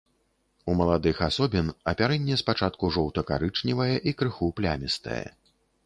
У маладых асобін апярэнне спачатку жоўта-карычневае і крыху плямістае.